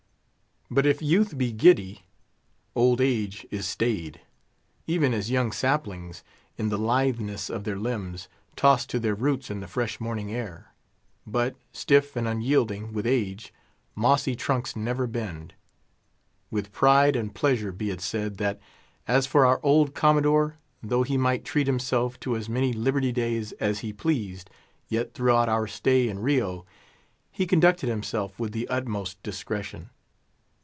But if youth be giddy, old age is staid; even as young saplings, in the litheness of their limbs, toss to their roots in the fresh morning air; but, stiff and unyielding with age, mossy trunks never bend. With pride and pleasure be it said, that, as for our old Commodore, though he might treat himself to as many "liberty days" as he pleased, yet throughout our stay in Rio he conducted himself with the utmost discretion.